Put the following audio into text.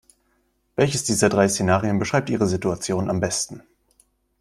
Welches dieser drei Szenarien beschreibt Ihre Situation am besten?